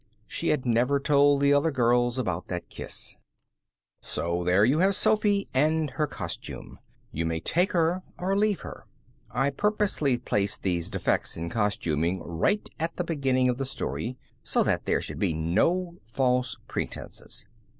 She had never told the other girls about that kiss. So there you have Sophy and her costume. You may take her or leave her. I purposely placed these defects in costuming right at the beginning of the story, so that there should be no false pretenses.